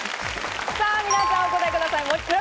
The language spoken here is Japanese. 皆さん、お答えください。